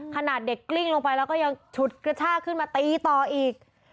ขนาดเด็กกลิ้งลงไปแล้วก็ยังฉุดกระชากขึ้นมาตีต่ออีก